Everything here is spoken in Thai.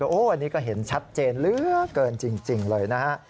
โอ้โหอันนี้ก็เห็นชัดเจนเหลือเกินจริงเลยนะฮะ